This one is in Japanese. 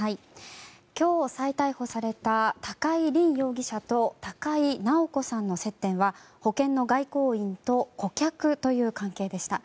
今日再逮捕された高井凜容疑者と高井直子さんの接点は保険の外交員と顧客という関係でした。